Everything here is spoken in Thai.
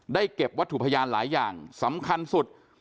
เก็บวัตถุพยานหลายอย่างสำคัญสุด